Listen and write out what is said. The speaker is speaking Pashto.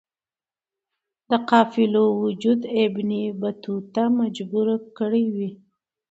د قافلو وجود ابن بطوطه مجبور کړی وی.